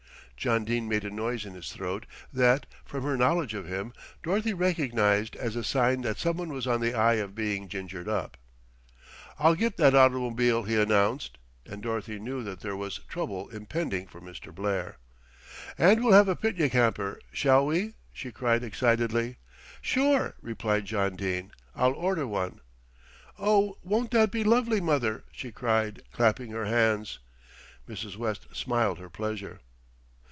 John Dene made a noise in his throat that, from her knowledge of him, Dorothy recognised as a sign that someone was on the eve of being gingered up. "I'll get that automobile," he announced; and Dorothy knew that there was trouble impending for Mr. Blair. "And we'll have a picnic hamper, shall we?" she cried excitedly. "Sure," replied John Dene, "I'll order one." "Oh, won't that be lovely, mother!" she cried, clapping her hands. Mrs. West smiled her pleasure.